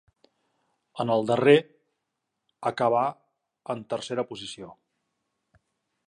En el darrer acabà en tercera posició.